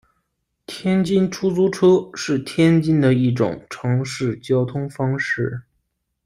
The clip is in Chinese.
天津出租车是天津的一种城市交通方式。